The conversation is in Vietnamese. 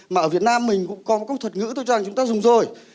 mà ở việt nam mình cũng có một công thuật ngữ tôi cho rằng chúng ta dùng rồi